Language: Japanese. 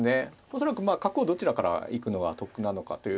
恐らく角をどちらから行くのが得なのかという。